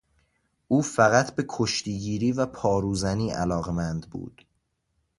او فقط به کشتیگیری و پاروزنی علاقمند بود.